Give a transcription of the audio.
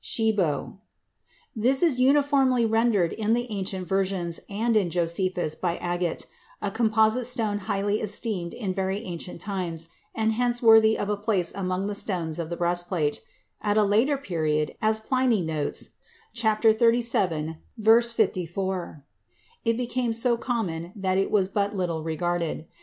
Shebo. [שְׁבוֹ.] This is uniformly rendered in the ancient versions and in Josephus by "agate," a composite stone highly esteemed in very ancient times, and hence worthy of a place among the stones of the breastplate; at a later period, as Pliny notes (xxxvii, 54), it became so common that it was but little regarded.